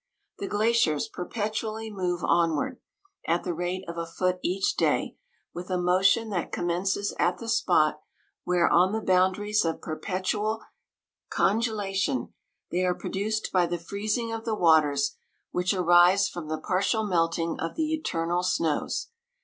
The glaciers perpetually move onward, at the rate of a foot each day, with a mo tion that commences at the spot where* on the boundaries of perpetual conge lation, they are produced by the freezing 159 of the waters which arise from the par tial melting of the eternal snows.